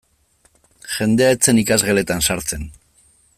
Jendea ez zen ikasgeletan sartzen.